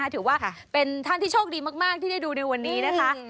ถือว่าเป็นท่านที่โชคดีมากที่ได้ดูในวันนี้นะคะ